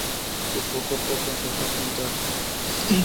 De poco a poco empezó a pintar.